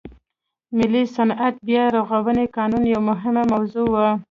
ملي صنعت بیا رغونې قانون یوه مهمه موضوع وه.